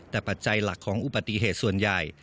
แต่ปัจจัยหลักของอุบัติเหตุส่วนใหญ่